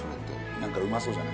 なんかうまそうじゃない？